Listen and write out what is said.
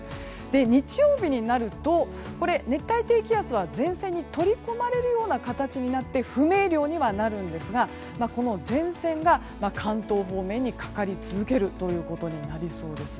日曜日になると熱帯低気圧は前線に取り込まれるような形になって不明瞭にはなるんですがこの前線が関東方面にかかり続けることになりそうです。